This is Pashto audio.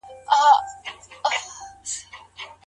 پخواني حکومت پر خپلو کارمندانو سمه څارنه نه کوله.